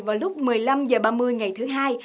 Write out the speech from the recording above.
vào lúc một mươi năm h ba mươi ngày thứ hai